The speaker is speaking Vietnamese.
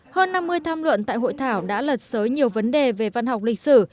hơn năm mươi tham luận tại hội thảo đã lật sới nhiều vấn đề về văn học lịch sử